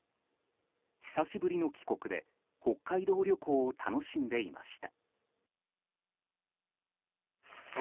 久しぶりの帰国で北海道旅行を楽しんでいました。